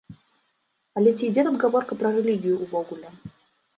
Але ці ідзе тут гаворка пра рэлігію ўвогуле?